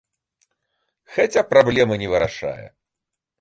Хаця праблемы не вырашае.